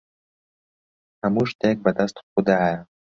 هەموو شتێک بەدەست خودایە.